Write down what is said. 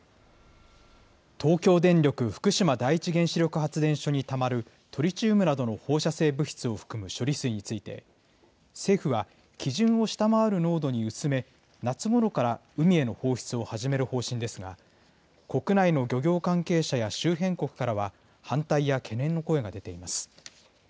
東京電力福島第一原子力発電所にたまるトリチウムなどの放射性物質を含む処理水について、政府は、基準を下回る濃度に薄め、夏ごろから海への放出を始める方針ですが、国内の漁業関係者や周辺国からは反対や懸念の声が出ています。